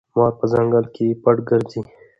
مار په ځنګل کې پټ ګرځي.